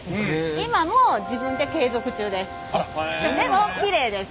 今も自分で継続中です。